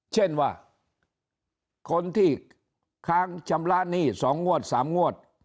เช่นว่าคนที่ค้างชำระหนี้๒งวด๓งวด